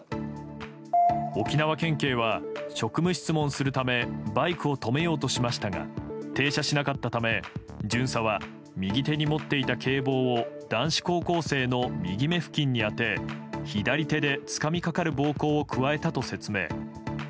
沖縄県は職務質問するためバイクを止めようとしましたが停車しなかったため巡査は右手に持っていた警棒を男子高校生の右目付近に当て左手でつかみかかる暴行を加えたと説明。